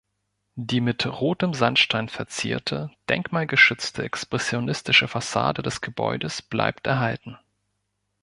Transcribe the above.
Die mit rotem Sandstein verzierte, denkmalgeschützte expressionistische Fassade des Gebäudes bleibt erhalten.